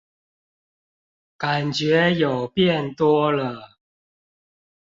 感覺有變多了